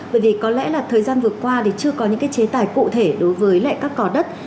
bởi vì có lẽ là thời gian vừa qua thì chưa có những cái chế tài cụ thể đối với lại các cỏ đất